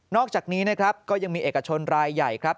อกจากนี้นะครับก็ยังมีเอกชนรายใหญ่ครับ